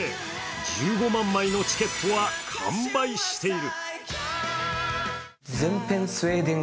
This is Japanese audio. １５万枚のチケットは完売している。